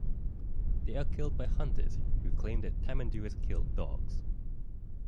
They are killed by hunters, who claim the tamanduas kill dogs.